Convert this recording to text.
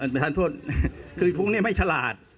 เขาถูกคือพวกนี้ไม่ฉลาด